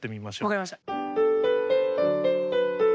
分かりました。